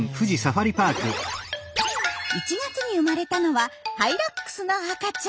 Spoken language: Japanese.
１月に生まれたのはハイラックスの赤ちゃん。